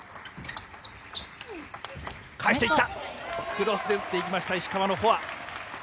返して行った、クロスで打っていきました、石川のフォア。